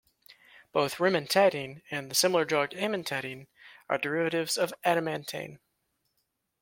Both rimantadine and the similar drug amantadine are derivates of adamantane.